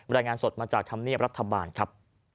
รายงานสดมาจากธรรมเนียบรัฐบาลครับ